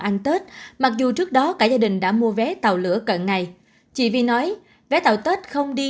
ăn tết mặc dù trước đó cả gia đình đã mua vé tàu lửa cận ngày chị vi nói vé tàu tết không đi